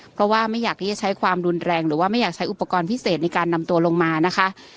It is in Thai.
เพราะว่าไม่อยากที่จะใช้ความรุนแรงหรือว่าไม่อยากใช้อุปกรณ์พิเศษในการนำตัวลงมานะคะ